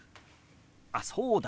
あっそうだ！